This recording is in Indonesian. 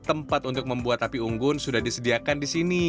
tempat untuk membuat api unggun sudah disediakan di sini